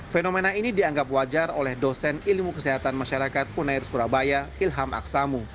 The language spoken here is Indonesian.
fenomena ini dianggap wajar oleh dosen ilmu kesehatan masyarakat unair surabaya ilham aksamu